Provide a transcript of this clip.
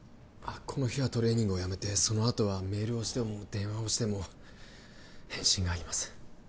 この日はトレーニングをやめてそのあとはメールをしても電話をしても返信がありません